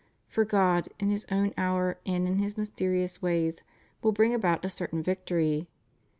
For God, in His own hour and in His mysterious ways, will bring about a certain victory.